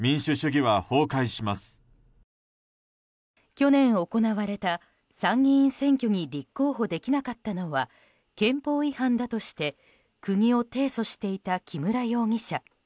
去年行われた参議院選挙に立候補できなかったのは憲法違反だとして国を提訴していた木村容疑者。